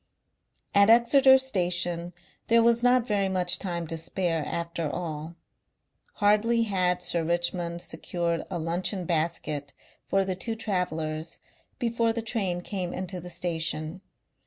At Exeter Station there was not very much time to spare after all. Hardly had Sir Richmond secured a luncheon basket for the two travellers before the train came into the station.